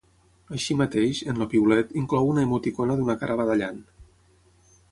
Així mateix, en el piulet, inclou una emoticona d’una cara badallant.